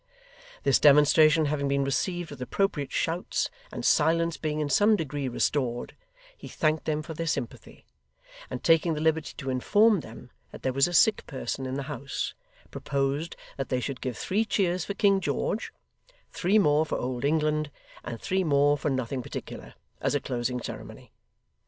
This demonstration having been received with appropriate shouts, and silence being in some degree restored, he thanked them for their sympathy; and taking the liberty to inform them that there was a sick person in the house, proposed that they should give three cheers for King George, three more for Old England, and three more for nothing particular, as a closing ceremony.